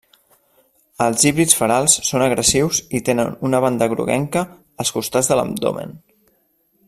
Els híbrids ferals són agressius i tenen una banda groguenca als costats de l'abdomen.